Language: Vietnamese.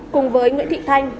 cùng với nguyễn thị thanh